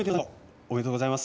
ありがとうございます。